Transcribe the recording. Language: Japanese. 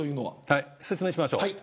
説明しましょう。